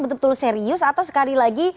betul betul serius atau sekali lagi